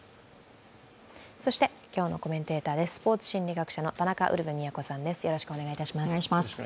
そして今日のコメンテーターです、スポーツ心理学者の田中ウルヴェ京さんです。